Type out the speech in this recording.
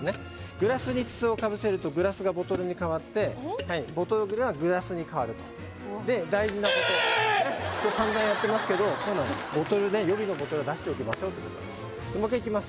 グラスに筒をかぶせるとグラスがボトルにかわってボトルがグラスにかわるとで大事なことさんざんやってますけど予備のボトルを出しておきましょうもう１回いきます